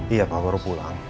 iya pak baru pulang